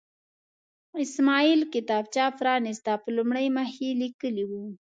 اسماعیل کتابچه پرانسته، په لومړي مخ یې لیکلي وو.